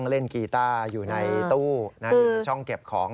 เล่นกีต้าอยู่ในตู้ช่องเก็บของ